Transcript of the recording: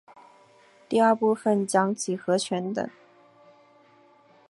第二部份讲几何全等。